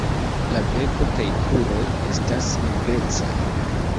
La beko kaj kruroj estas nigrecaj.